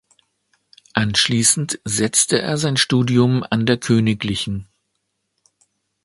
Anschließend setzte er sein Studium an der Königlichen.